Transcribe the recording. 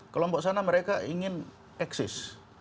kelompok sana mereka ingin eksis